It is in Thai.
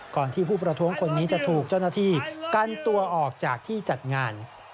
ที่ผู้ประท้วงคนนี้จะถูกเจ้าหน้าที่กันตัวออกจากที่จัดงาน